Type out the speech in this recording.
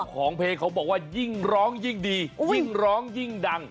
ของเพลงเขาบอกว่ายิ่งร้องยิ่งดียิ่งร้องยิ่งดัง